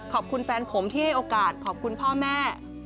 ขอบคุณแฟนผมที่ให้โอกาสขอบคุณพ่อแม่